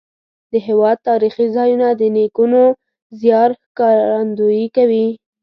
د هېواد تاریخي ځایونه د نیکونو زیار ښکارندویي کوي.